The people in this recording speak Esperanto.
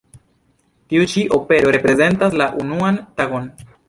Tiu-ĉi opero reprezentas la "unuan tagon".